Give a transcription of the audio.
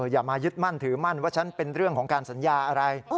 อย่ามายึดมั่นถือมั่นว่าฉันเป็นเรื่องของการสัญญาอะไร